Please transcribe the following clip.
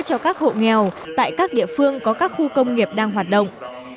cho các hộ nghèo tại các địa phương có các khu công nghiệp đang hoạt động